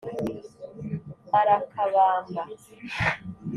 Arakabamba